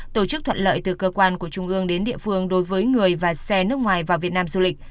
tổ chức thuận lợi từ cơ quan của trung ương đến địa phương đối với người và xe nước ngoài vào việt nam du lịch